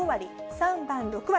３番、６割。